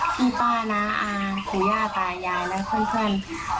พี่ป้าน้าอาหารผู้ย่าป่ายายและเพื่อน